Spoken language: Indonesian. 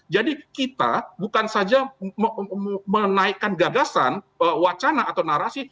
jadi kita bukan saja menaikkan gagasan wacana atau narasi